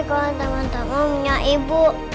kok teman teman punya ibu